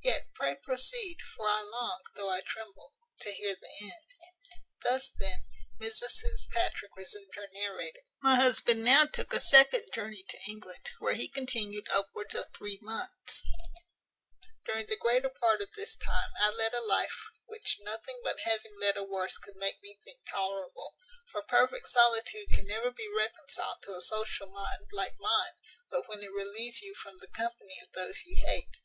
Yet pray proceed; for I long, though I tremble, to hear the end." Thus, then, Mrs Fitzpatrick resumed her narrative: "My husband now took a second journey to England, where he continued upwards of three months; during the greater part of this time I led a life which nothing but having led a worse could make me think tolerable; for perfect solitude can never be reconciled to a social mind, like mine, but when it relieves you from the company of those you hate.